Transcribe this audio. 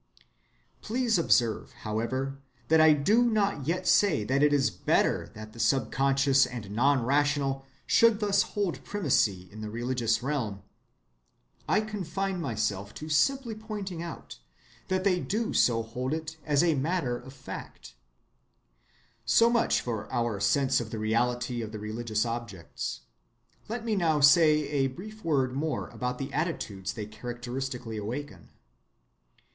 Please observe, however, that I do not yet say that it is better that the subconscious and non‐rational should thus hold primacy in the religious realm. I confine myself to simply pointing out that they do so hold it as a matter of fact. So much for our sense of the reality of the religious objects. Let me now say a brief word more about the attitudes they characteristically awaken.